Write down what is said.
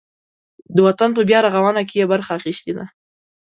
د وطن په بیارغاونه کې یې برخه اخیستې ده.